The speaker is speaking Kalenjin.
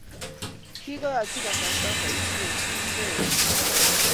kikoyochi kasarta boisie kintee ochei